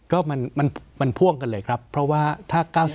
ก็มันพ่วงกันเลยครับเพราะว่าถ้า๙๐